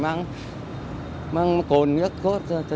phải mang cồn nước khốt